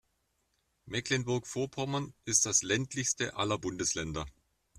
Mecklenburg-Vorpommern ist das ländlichste aller Bundesländer.